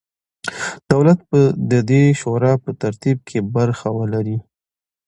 دولت به د دې شورا په ترتیب کې برخه ولري.